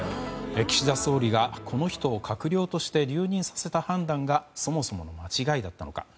岸田総理が、この人を閣僚として留任させた判断がそもそもの間違いだったのか。